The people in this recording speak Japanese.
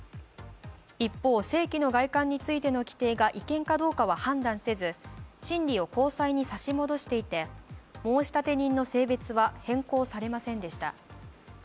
一方、性器の外観についての規定が違憲かどうかは判断せず、審理を高裁に差し戻していて、申立人の性別は変更されませんでした。